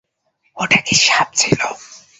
ওটা কি সাপ ছিল?